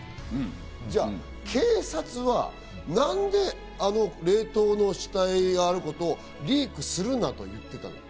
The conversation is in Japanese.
じゃあ警察はなんであの冷凍の死体があることをリークするなと言ったのか。